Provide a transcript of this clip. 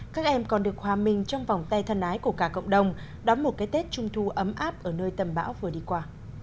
các em còn được hòa mình trong vòng tay thân ái của cả cộng đồng đón một cái tết trung thu ấm áp ở nơi tầm bão vừa đi qua